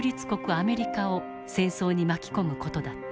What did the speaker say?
アメリカを戦争に巻き込む事だった。